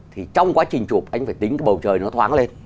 thì trong quá trình chụp anh phải tính cái bầu trời nó thoáng lên